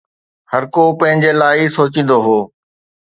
هر ڪو پنهنجي لاءِ ئي سوچيندو هو